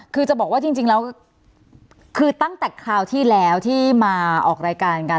คือจะบอกว่าจริงแล้วคือตั้งแต่คราวที่แล้วที่มาออกรายการกัน